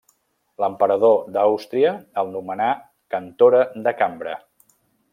L'emperador d'Àustria el nomenà cantora de cambra.